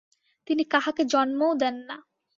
তিনি কাহাকে জন্মও দেন না।